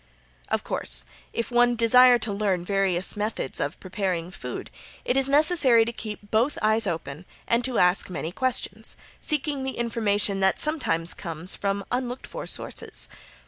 Of course, if one desire to learn various methods of preparing food, it is necessary to keep both eyes open and to ask many questions, seeking the information that sometimes comes from unlooked for sources.